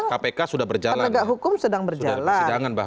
kpk sudah berjalan penegak hukum sedang berjalan